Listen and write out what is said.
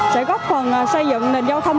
sẽ góp phần xây dựng nền giao thông